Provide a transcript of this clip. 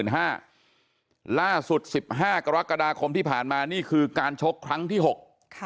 ๒๐๐๐๐ห้าล่าสุด๑๕กรกฎาคมที่ผ่านมานี่คือการชกครั้งที่หก